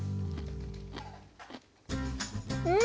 うん！